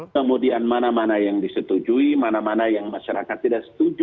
kemudian mana mana yang disetujui mana mana yang masyarakat tidak setuju